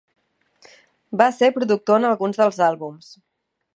Va ser productor en alguns dels àlbums.